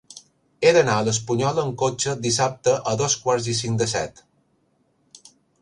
He d'anar a l'Espunyola amb cotxe dissabte a dos quarts i cinc de set.